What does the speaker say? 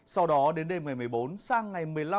sau đó đến đêm ngày một mươi bốn sang ngày một mươi năm